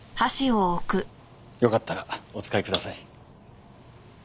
よかったらお使いください。